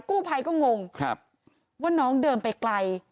กู้ภัยก็งงว่าน้องเดินไปไกล